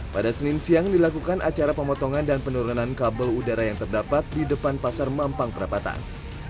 pada senin siang dilakukan acara pemotongan dan penurunan kabel udara yang terdapat di depan pasar mampang perapatan